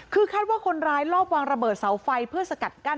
คือคาดว่าคนร้ายรอบวางระเบิดเสาไฟเพื่อสกัดกั้น